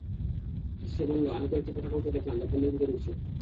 সে বলল, আমি কয়েকটি পতাকা দেখতে পেলাম যা পল্লীর ভিতর উড়ছে।